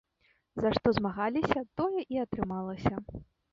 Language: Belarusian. За што змагаліся, тое і атрымалася.